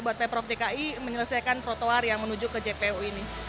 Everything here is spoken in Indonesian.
buat pemprov dki menyelesaikan trotoar yang menuju ke jpu ini